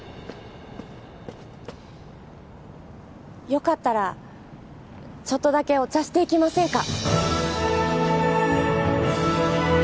よかったらちょっとだけお茶していきませんか？